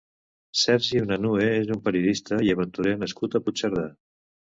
Sergi Unanue és un periodista i aventurer nascut a Puigcerdà.